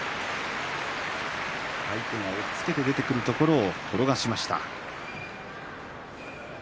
相手が押っつけて出てくるところを転がしました。